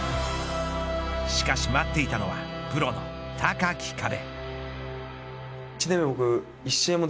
しかし、待っていたのはプロの高き壁。